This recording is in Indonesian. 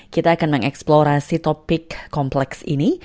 kita akan mengeksplorasi topik kompleks ini